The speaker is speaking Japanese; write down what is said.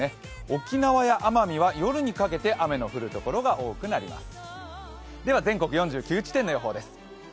沖縄や奄美は夜にかけて雨の降るところが多くなります。